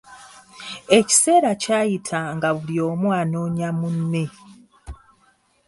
Ekiseera kyayita nga buli omu anoonya munne .